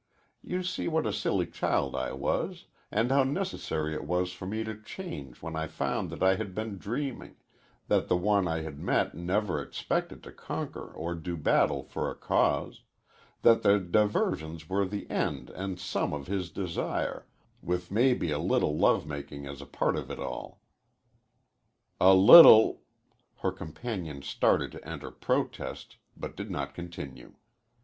You see what a silly child I was, and how necessary it was for me to change when I found that I had been dreaming, that the one I had met never expected to conquer or do battle for a cause that the diversions were the end and sum of his desire, with maybe a little love making as a part of it all." "A little " Her companion started to enter protest, but did not continue.